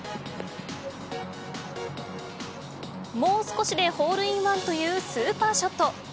もう少しでホールインワンというスーパーショット。